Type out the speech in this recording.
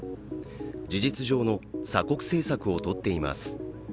事実上の鎖国政策をとっています。